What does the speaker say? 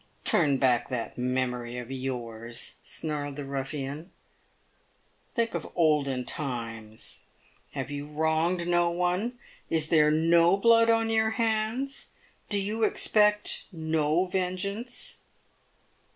" Turn back that memory of yours," snarled the ruffian. " Think of olden times. Have you wronged no one ? Is there no blood on your hands ; do you expect no vengeance